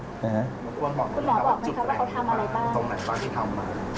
คุณหมอบอกไหมครับว่าเขาทำอะไรบ้าง